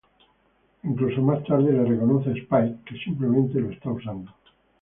Incluso más tarde le reconoce a Spike que simplemente lo está usando.